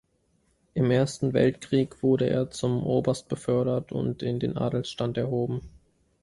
Im Ersten Weltkrieg wurde er zum Oberst befördert und in den Adelsstand erhoben.